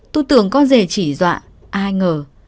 tôi tưởng con rể chỉ dọa ai ngờ